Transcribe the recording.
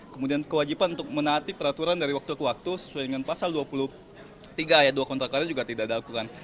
kemudian kewajiban untuk menaati peraturan dari waktu ke waktu sesuai dengan pasal dua puluh tiga ayat dua kontrak karya juga tidak dilakukan